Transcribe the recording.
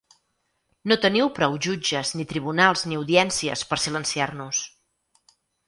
No teniu prou jutges ni tribunals ni audiències per silenciar-nos!